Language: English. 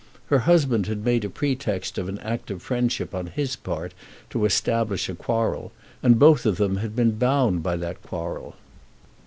Her husband had made a pretext of an act of friendship on his part to establish a quarrel, and both of them had been bound by that quarrel.